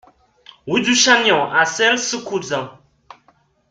Rue du Chagnon à Sail-sous-Couzan